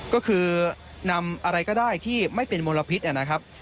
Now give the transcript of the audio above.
ก็คือนำอะไรก็ได้ที่ไม่เป็นมลพิษนะครับ